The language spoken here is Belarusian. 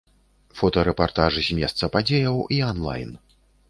Фотарэпартаж з месца падзеяў і анлайн.